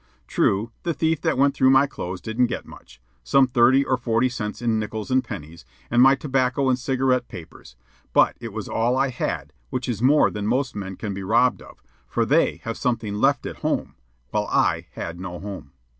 True, the thief that went through my clothes didn't get much some thirty or forty cents in nickels and pennies, and my tobacco and cigarette papers; but it was all I had, which is more than most men can be robbed of, for they have something left at home, while I had no home.